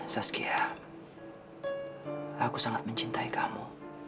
saskia aku sangat mencintai kamu